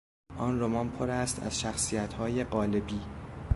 آن رمان پر است از شخصیتهای قالبی.